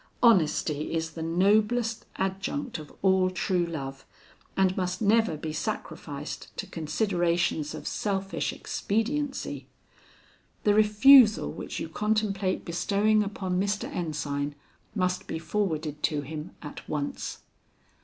Honesty is the noblest adjunct of all true love, and must never be sacrificed to considerations of selfish expediency. The refusal which you contemplate bestowing upon Mr. Ensign, must be forwarded to him at once."